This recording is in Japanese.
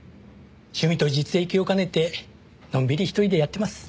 趣味と実益を兼ねてのんびり一人でやってます。